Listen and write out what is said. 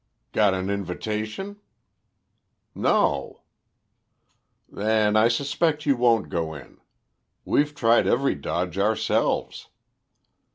"Got an invitation?" "No." "Then I suspect you won't go in. We've tried every dodge ourselves."